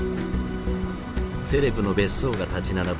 セレブの別荘が立ち並ぶ